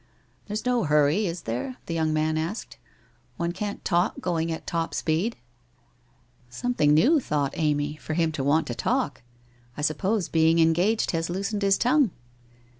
' There's no hurry, is there ?' the young man asked ;' one can't talk going at top speed/ ' Something new,' thought Amy, * for him to want to talk ! I suppose being engaged has loosened his tongue